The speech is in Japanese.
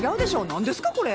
何ですかこれ！？